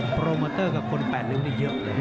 โปรบมอเตอร์กับคนปัดลิ้วนี่เยอะเลย